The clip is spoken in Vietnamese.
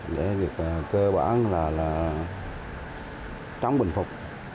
để việc cơ bản là trống bình phục